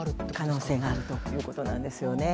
可能性があるということなんですよね。